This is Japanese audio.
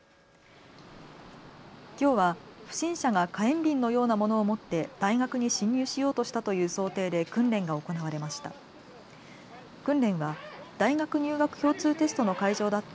きょうは不審者が火炎びんのような物を持って大学に侵入しようとしたという想定で訓練が行われました。